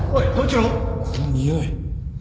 このにおい。